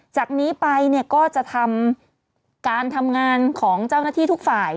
จากนี้ไปเนี่ยก็จะทำการทำงานของเจ้าหน้าที่ทุกฝ่าย